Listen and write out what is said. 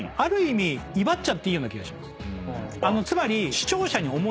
つまり。